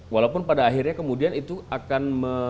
walaupun pada akhirnya kemudian itu akan